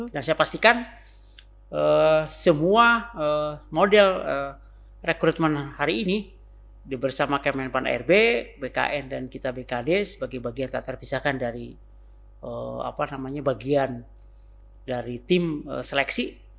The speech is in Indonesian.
dan saya pastikan semua model rekrutmen hari ini bersama kemenpan rb bkn dan kita bkd sebagai bagian yang terpisahkan dari bagian dari tim seleksi